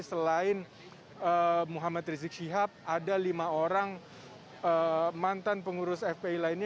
selain muhammad rizik syihab ada lima orang mantan pengurus fpi lainnya